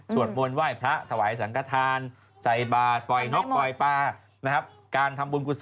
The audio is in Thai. เทพคือเทพเขามีเยอะมาก